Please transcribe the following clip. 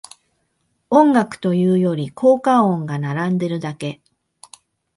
音楽というより効果音が並んでるだけ